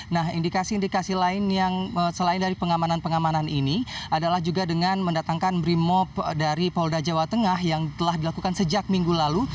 nah indikasi indikasi lain yang selain dari pengamanan pengamanan ini adalah juga dengan mendatangkan brimop dari polda jawa tengah yang telah dilakukan sejak minggu lalu